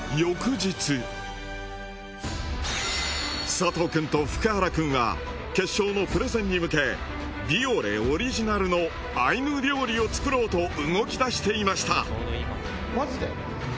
佐藤くんと福原くんが決勝のプレゼンに向け美俺オリジナルのアイヌ料理を作ろうと動き出していました。